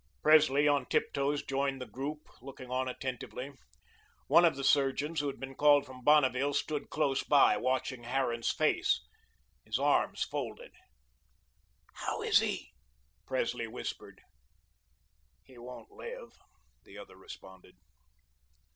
Presley on tip toes joined the group, looking on attentively. One of the surgeons who had been called from Bonneville stood close by, watching Harran's face, his arms folded. "How is he?" Presley whispered. "He won't live," the other responded.